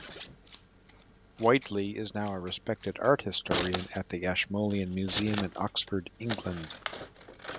Whiteley is now a respected art historian at the Ashmolean Museum in Oxford, England.